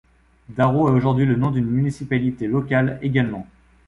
Darro est aujourd'hui le nom d'une municipalité locale également.